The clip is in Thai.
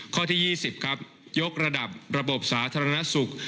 ข้อที่๒๐ครับยกระดับระบบสาธารณสุข